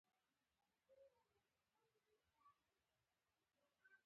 په موجوده دور کښې د قلاګانو جوړولو څۀ خاص پام لرنه نشته۔